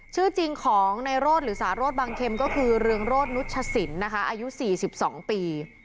ชื่อจริงของในโรธหรือสารโรธบางเข็มก็คือเรืองโรธนุชสินนะคะอายุ๔๒ปี